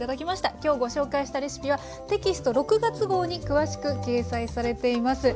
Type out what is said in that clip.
きょうご紹介したレシピはテキスト６月号に詳しく掲載されています。